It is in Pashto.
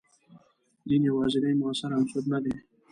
دین یوازینی موثر عنصر نه دی.